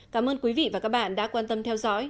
cảm ơn quý vị và các bạn đã quan tâm theo dõi